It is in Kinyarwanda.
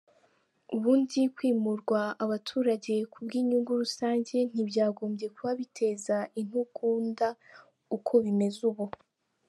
Ubundi kwimurwa abaturage kubw’inyungu rusange ntibyagombye kuba biteza intugunda uko bimeze ubu.